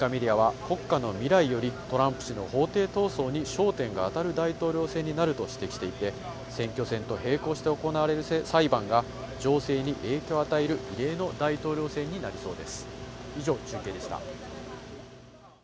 アメリカメディアは、国家の未来よりトランプ氏の法廷闘争に焦点があたる大統領選になると指摘していて、選挙戦と並行して行われる裁判が情勢に影響を与える異例の大統領選になりそうです。